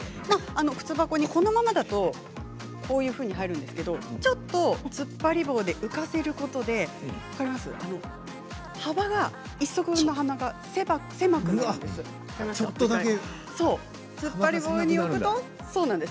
靴箱に、このままだとこういうふうに入るんですけれどちょっと、つっぱり棒で浮かせることで１足分の幅が狭くなるんです。